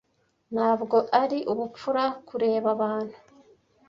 Ntabwo ari ubupfura kureba abantu.